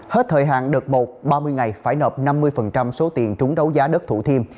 hết thời hạn đợt một ba mươi ngày phải nợ năm mươi số tiền trúng đấu giá đất thủ thiêm